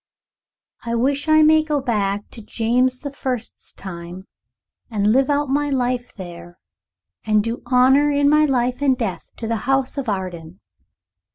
"I wish I may go back to James the First's time, and live out my life there, and do honor in my life and death to the house of Arden."